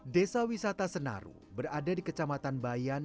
desa wisata senaru berada di kecamatan bayan